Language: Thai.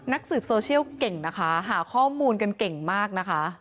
สืบโซเชียลเก่งนะคะหาข้อมูลกันเก่งมากนะคะ